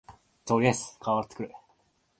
とりあえず顔洗ってくる